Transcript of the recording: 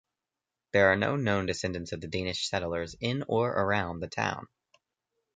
There are no known descendants of the Danish settlers in or around the town.